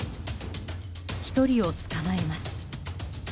１人を捕まえます。